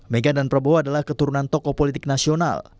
mega dan prabowo adalah keturunan tokoh politik nasional